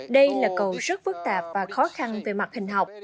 đây là cầu rất phức tạp và khó khăn về mặt hình học